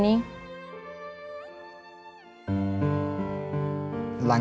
สุดท้าย